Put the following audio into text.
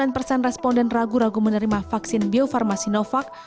enam puluh sembilan persen responden ragu ragu menerima vaksin biofarmasi novak